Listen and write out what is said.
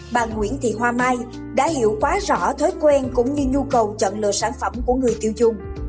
bà nguyễn thị hoa mai đã hiểu quá rõ thói quen cũng như nhu cầu chọn lựa sản phẩm của người tiêu dùng